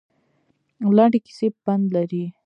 لنډې کیسې پند لري